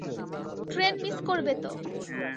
Train miss করবে তো।